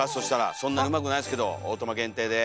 そんなにうまくないですけどオートマ限定で。